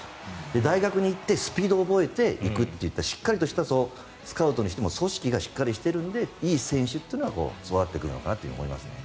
大学に行ってスピードを覚えていくといってしっかりとしたスカウトにしても組織がしっかりしているのでいい選手が育ってくるんだと思いますね。